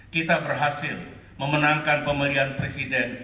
kita berhasil memenangkan pemilihan presiden